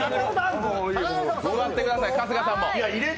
座ってください、春日さんも。